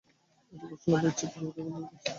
এটা বাসনা বা ইচ্ছার তীব্রতার উপর নির্ভর করছে।